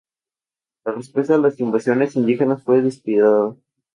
La respuesta a las invasiones indígenas fue despiadada.